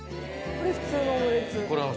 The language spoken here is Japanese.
これは普通のオムレツ。